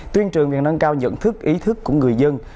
tuyên trường việc nâng cao nhận thức ý thức của người dân